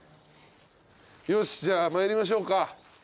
よしじゃあ参りましょうか。